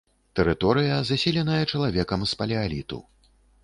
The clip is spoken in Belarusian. Тэрыторыя заселеная чалавекам з палеаліту.